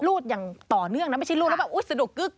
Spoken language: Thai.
รูดอย่างต่อเนื่องนะไม่ใช่รูดแล้วแบบอุ๊ยสะดวกกึ๊ก